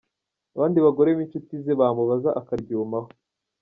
Abandi bagore b’inshuti ze bamubaza akaryumaho.